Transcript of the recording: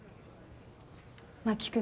真木君。